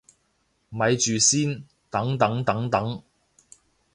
咪住先，等等等等